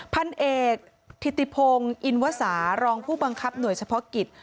พันเอกธิติพงศ์อินวสารางผู้บังคับหน่วยเฉพาะกิจ